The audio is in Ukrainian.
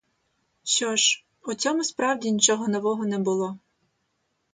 Що ж, у цьому справді нічого нового не було.